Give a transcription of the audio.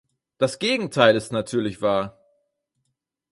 Das Gegenteil ist natürlich wahr!